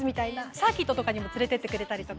サーキットとかにも連れてってくれたりとか。